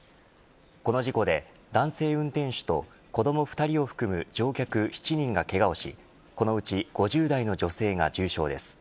この事故で男性運転手と子ども２人を含む乗客７人がけがをしこのうち５０代の女性が重傷です。